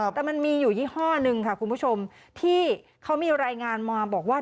แต่มันมีอยู่ยี่ห้อหนึ่งค่ะคุณผู้ชมที่เขามีรายงานมาบอกว่า